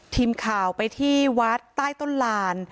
ทีมข่าวไปที่วัดใต้ต้นลาน